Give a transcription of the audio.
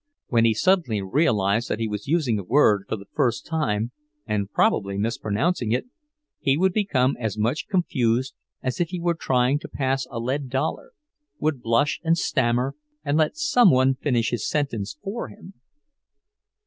When he suddenly realized that he was using a word for the first time, and probably mispronouncing it, he would become as much confused as if he were trying to pass a lead dollar, would blush and stammer and let some one finish his sentence for him.